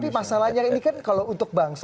tapi masalahnya ini kan kalau untuk bangsa